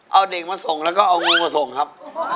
เอาเด็กมาส่งแล้วก็เอางูมาส่งครับ